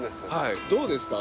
どうですか？